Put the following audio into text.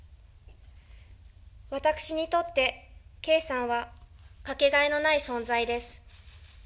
私にとって、圭さんは、掛けがえのない存在です。